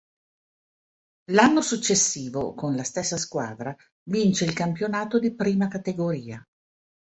L'anno successivo con la stessa squadra vince il campionato di prima categoria.